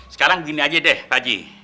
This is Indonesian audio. sekarang gini aja deh haji